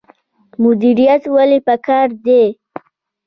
مدیریت ولې پکار دی؟